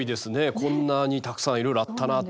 こんなにたくさんいろいろあったなって。